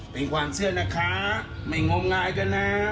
เป็นความเชื่อนะคะไม่งมงายกันนะ